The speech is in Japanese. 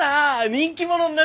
人気者な。